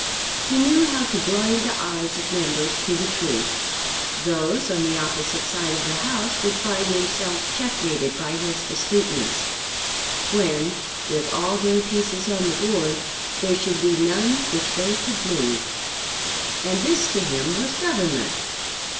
He knew how to blind the eyes of members to the truth. Those on the opposite side of the House would find themselves checkmated by his astuteness, when, with all their pieces on the board, there should be none which they could move. And this to him was Government!